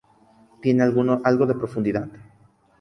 Tiene algo de profundidad.